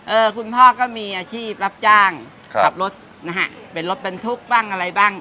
คุณพ่อก็มีอาชีพรับจ้างครับขับรถนะฮะเป็นรถบรรทุกบ้างอะไรบ้าง